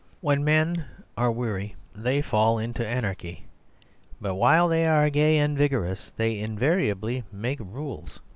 When men are weary they fall into anarchy; but while they are gay and vigorous they invariably make rules.